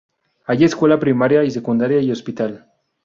Hay escuela primaria y secundaria y Hospital.